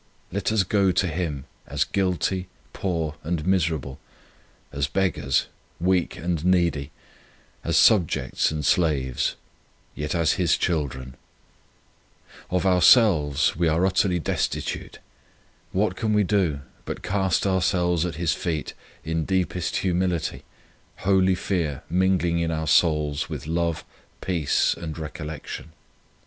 Let us go to Him as guilty, poor, and miserable, as beggars, weak and needy, as subjects and slaves, yet as His children. 82 True Prayer Of ourselves we are utterly destitute. What can we do but cast ourselves at His feet in deepest humility, holy fear mingling in our souls with love, peace, and recollec tion